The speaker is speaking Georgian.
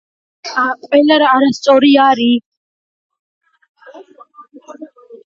გავრცელებული არიან ყველა კონტინენტის სუბტროპიკებსა და ტროპიკებში, აგრეთვე წყნარი ოკეანის კუნძულებზე.